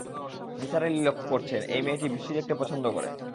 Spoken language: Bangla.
নিসার আলি লক্ষ করেছেন, এই মেয়েটি বৃষ্টি দেখতে পছন্দ করে।